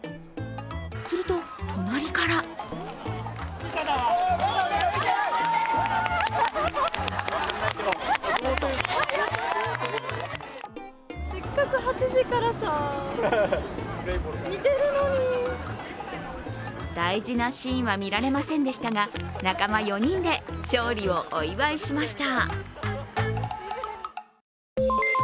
すると、隣から大事なシーンは見られませんでしたが、仲間４人で勝利をお祝いしました。